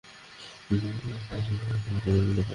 এগুলো হচ্ছে যোলফট যেগুলো ও বিষণ্ণতা কাটানোর জন্য খায়!